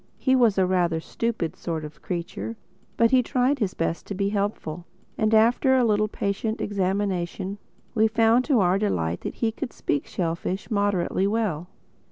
He was a rather stupid sort of creature; but he tried his best to be helpful. And after a little patient examination we found to our delight that he could speak shellfish moderately well.